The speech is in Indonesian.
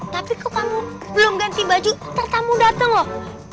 tapi kok kamu belum ganti baju ntar tamu dateng loh